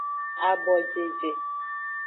Abojeje.